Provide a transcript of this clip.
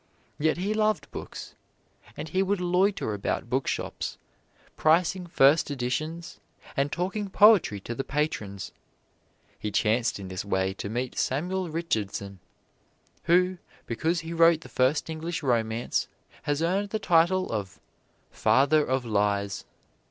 Yet he loved books, and he would loiter about bookshops, pricing first editions, and talking poetry to the patrons. He chanced in this way to meet Samuel Richardson, who, because he wrote the first English romance, has earned the title of Father of Lies.